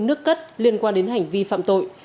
nước cất liên quan đến hành vi phạm tội